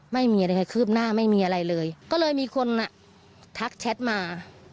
ไม่มีอะไรคืบหน้าไม่มีอะไรเลยก็เลยมีคนอ่ะทักแชทมา